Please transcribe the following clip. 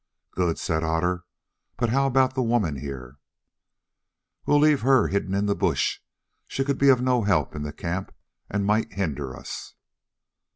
"Good," said Otter, "but how about the woman here?" "We will leave her hidden in the bush; she could be of no help in the camp and might hinder us."